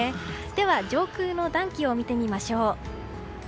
では、上空の暖気を見てみましょう。